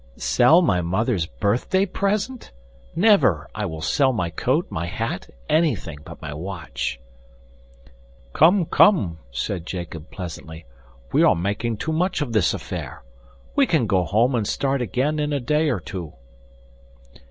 "Sell my mother's birthday present! Never! I will sell my coat, my hat, anything but my watch." "Come, come," said Jacob pleasantly, "we are making too much of this affair. We can go home and start again in a day or two."